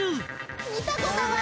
見たことない！